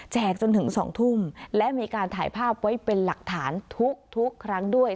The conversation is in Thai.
จนถึง๒ทุ่มและมีการถ่ายภาพไว้เป็นหลักฐานทุกครั้งด้วย